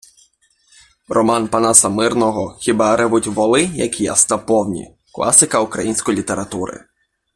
Роман Панаса Мирного "Хіба ревуть воли, як ясла повні" - класика української літератури